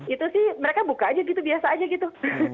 itu sih mereka buka aja gitu biasa aja gitu